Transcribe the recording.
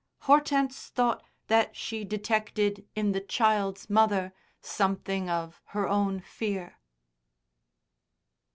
Hortense thought that she detected in the chit's mother something of her own fear.